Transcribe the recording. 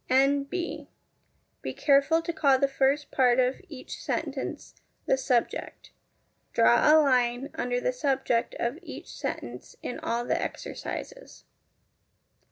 N.B. Be careful to call the first part of each sentence the subject. Draw a line under the subject of each sentence in all the exercises.